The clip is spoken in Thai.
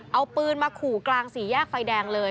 เอาปืนมาขู่กลางสี่แยกไฟแดงเลย